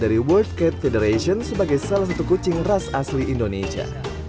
dari world cat federation sebagai salah satu kucing ras asli indonesia